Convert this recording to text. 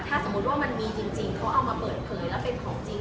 ถ้าสมมุติว่ามันมีจริงเขาเอามาเปิดเผยแล้วเป็นของจริง